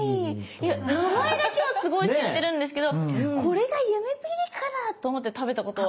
いや名前だけはすごい知ってるんですけどこれがゆめぴりかだ！と思って食べたことは。